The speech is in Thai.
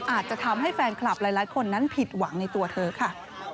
อาจจะทำให้แฟนคลับหลายคนนั้นผิดหวังในตัวเธอค่ะ